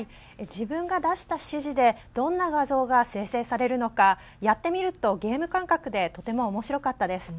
自分が出した指示でどんな画像が生成されるのかやってみると、ゲーム感覚でとても面白かったです。